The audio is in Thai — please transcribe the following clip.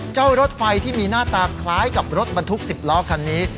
รถไฟที่มีหน้าตาคล้ายกับรถบรรทุก๑๐ล้อคันนี้